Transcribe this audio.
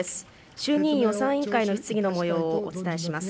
衆議院予算委員会の質疑のもようをお伝えします。